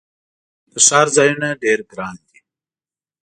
د ښار ځایونه ډیر ګراندي